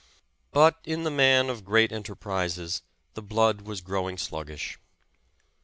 But in the man of great enterprises the blood was growing sluggish.